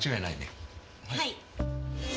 はい。